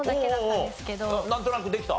なんとなくできた？